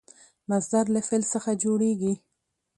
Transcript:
مصدر له فعل څخه جوړیږي.